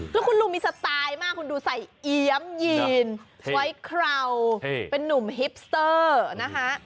แล้วคุณลุงมีสไตล์มากคุณดูใส่เอี๊ยมยีนไว้เคราวเป็นนุ่มฮิปสเตอร์นะคะ